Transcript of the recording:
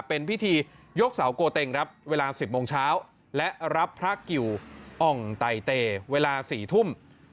เป็นพิธียกเสาโกเต็งครับเวลา๑๐โมงเช้าและรับพระกิวอ่องไตเตเวลา๔ทุ่ม